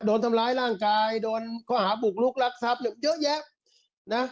โดนทำร้ายร่างกายโดนข้อหาบุกลุกรักทรัพย์เยอะแยะนะ